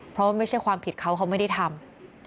เพราะไม่ใช่ความผิดเขาเขาไม่ได้ทำ